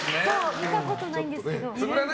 見たことないんですけど。